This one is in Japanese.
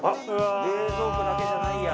冷蔵庫だけじゃないや。